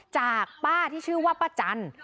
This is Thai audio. จากป้าที่ชื่อว่าป้าจัน